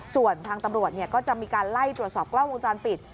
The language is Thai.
ส่วนทางตำรวจก็จะมีการไล่ตรวจสอบกล้องวงจรปิด